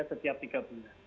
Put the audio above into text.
setiap tiga bulan